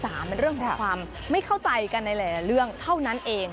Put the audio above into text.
มันเรื่องของความไม่เข้าใจกันในหลายเรื่องเท่านั้นเอง